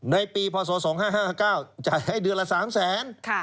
ในปีพศ๒๕๕๙จ่ายให้เดือนละ๓แสน